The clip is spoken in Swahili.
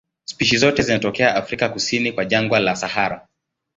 Spishi zote zinatokea Afrika kusini kwa jangwa la Sahara.